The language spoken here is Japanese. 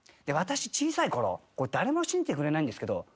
「私小さいころ誰も信じてくれないんですけど」